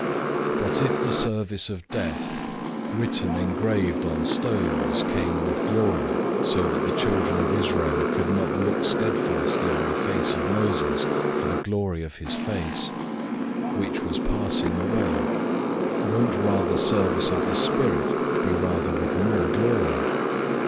003:007 But if the service of death, written engraved on stones, came with glory, so that the children of Israel could not look steadfastly on the face of Moses for the glory of his face; which was passing away: 003:008 won't service of the Spirit be with much more glory?